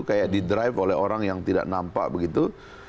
kayak di drive oleh orang yang tidak nampak begitu